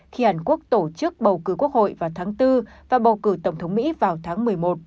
khi hàn quốc tổ chức bầu cử quốc hội vào tháng bốn và bầu cử tổng thống mỹ vào tháng một mươi một